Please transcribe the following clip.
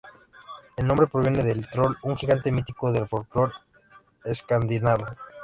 El nombre proviene del troll, un gigante mítico del folclore escandinavo.